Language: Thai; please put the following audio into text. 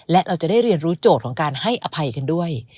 และเราจะได้เรียนรู้โจทย์ของการให้อภัยกันด้วย